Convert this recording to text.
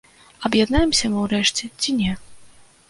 Аб'яднаемся мы ўрэшце ці не?